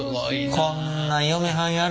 こんなん嫁はん「やる」